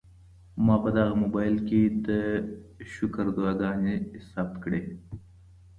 ما په دغه موبایل کي د شکر دعاګانې ثبت کړې.